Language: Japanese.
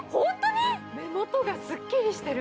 目元がすっきりしてる！